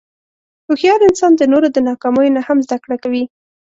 هوښیار انسان د نورو د ناکامیو نه هم زدهکړه کوي.